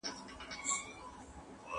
زه له سهاره لیکل کوم؟!